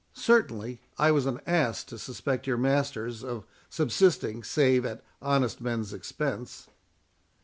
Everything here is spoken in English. Certainly I was an ass to suspect your masters of subsisting, save at honest men's expense."